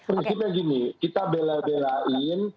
prinsipnya gini kita bela belain